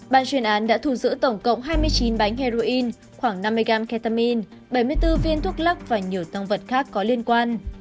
ban chuyên án đã thù giữ tổng cộng hai mươi chín bánh heroin khoảng năm mươi gram ketamin bảy mươi bốn viên thuốc lắc và nhiều tăng vật khác có liên quan